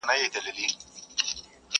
نن یې په ساحل کي د توپان حماسه ولیکه؛